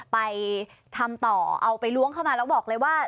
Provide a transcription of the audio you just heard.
ไปทำต่อเอาไปล้วงเข้ามาแล้วบอกเลยว่า